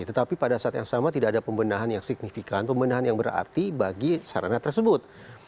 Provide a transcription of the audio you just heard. tetapi pada saat yang sama tidak ada pembenahan yang signifikan pembenahan yang berarti bagi sarana tersebut